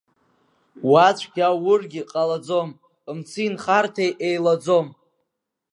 Уа цәгьа уургьы ҟалаӡом, Мци нхарҭеи еилаӡом.